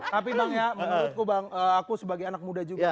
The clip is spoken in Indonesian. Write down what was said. tapi bang menurutku aku sebagai anak muda juga